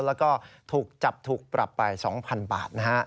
และจับถูกปรับไป๒๐๐๐บาท